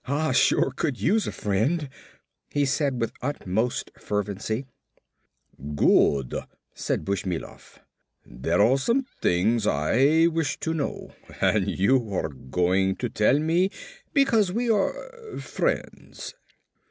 "Ah sure could use a friend," he said with utmost fervency. "Good!" said Bushmilov. "There are some things I wish to know and you are going to tell to me because we are friends."